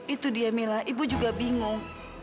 itu dia mila ibu juga bingung